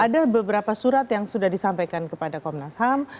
ada beberapa surat yang sudah disampaikan kepada komnas ham